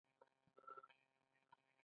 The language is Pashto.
عیار باید زړه ور او میړه وي.